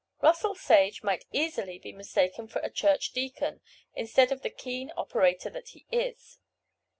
Russell Sage might easily be mistaken for a church deacon, instead of the keen operator that he is.